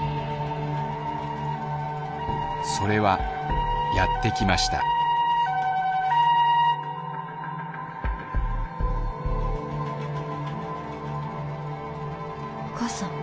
それはやってきましたお母さん。